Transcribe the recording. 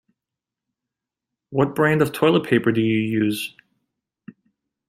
What brand of toilet paper do you use?